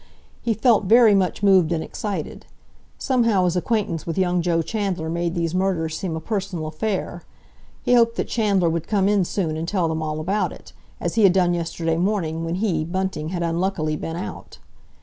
He felt very much moved and excited. Somehow his acquaintance with young Joe Chandler made these murders seem a personal affair. He hoped that Chandler would come in soon and tell them all about it, as he had done yesterday morning when he, Bunting, had unluckily been out.